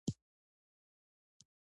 د پاسورډ قوي کول د امنیت لپاره اړین دي.